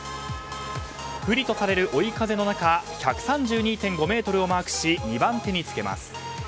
不利とされる追い風と中１３２．５ｍをマークし２番手につけます。